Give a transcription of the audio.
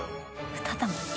２玉。